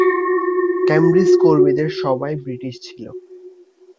Cambridge কর্মীদের সবাই British ছিল।